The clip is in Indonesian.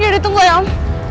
ya udah tunggu ya om